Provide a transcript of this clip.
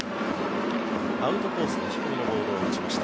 アウトコースの低めのボールを打ちました。